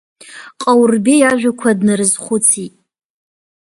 Ҟаурбеи иажәақәа днарызхәыцит.